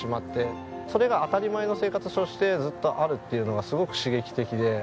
それが当たり前の生活としてずっとあるっていうのがすごく刺激的で。